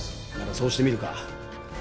そうしてみるか。